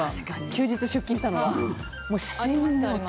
休日出勤したのが。